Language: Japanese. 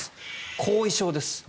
後遺症です。